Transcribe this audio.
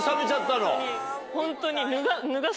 ホントに。